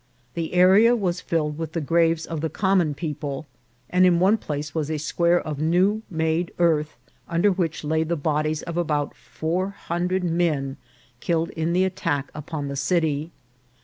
The area was filled with the graves of the common people, and in one place was a square of new made earth, under which lay the bodies of about four hundred men killed in the attack upon the city.